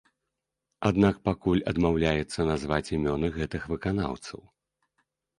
Аднак пакуль адмаўляецца назваць імёны гэтых выканаўцаў.